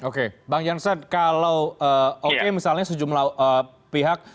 oke bang jansen kalau oke misalnya sejumlah pihak